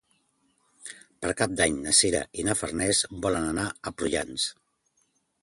Per Cap d'Any na Sira i na Farners volen anar a Prullans.